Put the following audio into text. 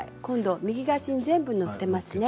右足に全部乗っていますね。